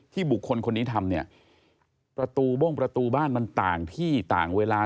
บุคคลคนนี้ทำเนี่ยประตูโบ้งประตูบ้านมันต่างที่ต่างเวลา